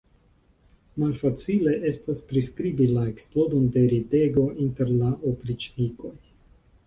Malfacile estas priskribi la eksplodon de ridego inter la opriĉnikoj.